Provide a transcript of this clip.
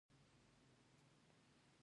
د دره صوف سکاره څومره حرارت لري؟